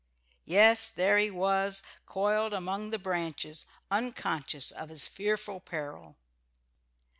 Yes, there he was, coiled among the branches, unconscious of his fearful peril.